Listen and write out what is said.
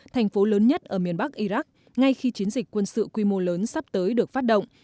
thành phố lớn nhất ở miền bắc iraq ngay khi chiến dịch quân sự quy mô lớn sắp tới được phát động